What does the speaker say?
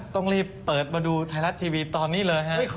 ต้องรีบเปิดมาดูไทยรัฐทีวีตอนนี้เลยฮะ